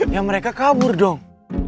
ya mereka kabur dong